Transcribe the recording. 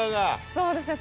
そうですね。